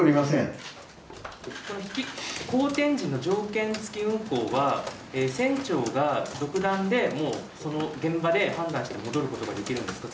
荒天時の条件付き運航は独断で現場で判断して戻ることができるんですか。